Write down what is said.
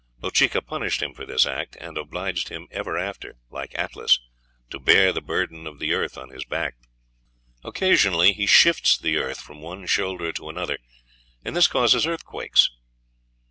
Bochica punished him for this act, and obliged him ever after, like Atlas, to bear the burden of the earth on his back. Occasionally be shifts the earth from one shoulder to another, and this causes earthquakes!